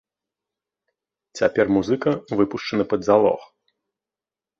Цяпер музыка выпушчаны пад залог.